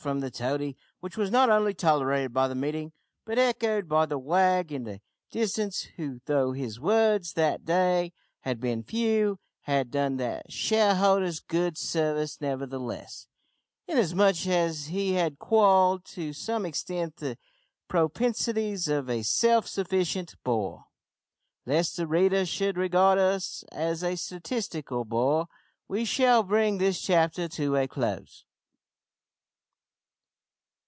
from the toady, which was not only tolerated by the meeting, but echoed by the wag in the distance, who, though his words that day had been few, had done the shareholders good service nevertheless, inasmuch as he had quelled, to some extent the propensities of a self sufficient "bore." Lest the reader should regard us as a statistical bore, we shall bring this chapter to a close.